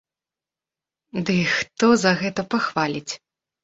Ды хто за гэта пахваліць?!